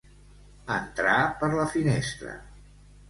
Entrar per la finestra.